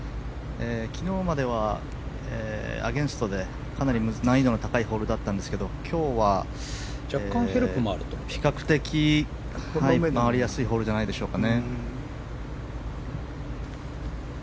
昨日まではアゲンストでかなり難易度の高いホールだったんですが今日は若干、比較的に回りやすいホールじゃないでしょうか。